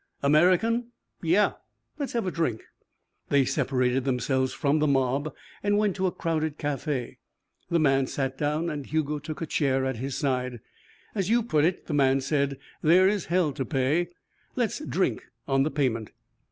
"American?" "Yeah." "Let's have a drink." They separated themselves from the mob and went to a crowded café. The man sat down and Hugo took a chair at his side. "As you put it," the man said, "there is hell to pay. Let's drink on the payment."